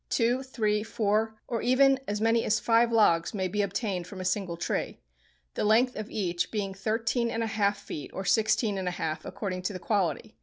Two, three, four, or even as many as five logs may be obtained from a single tree—the length of each being thirteen and a half feet or sixteen and a half according to the quality.